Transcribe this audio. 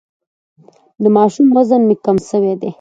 د ماشوم وزن مي کم سوی دی.